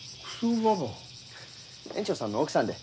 園長さんの奥さんで。